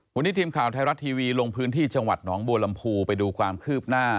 วันนี้ทีมข่าวไทยรัฐทีวีลงพื้นที่จังหวัดหนองบัวลำพูไปดูความคืบหน้า